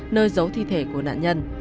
nơi giấu thi thể của nạn nhân